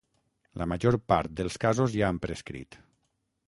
La major part dels casos ja han prescrit.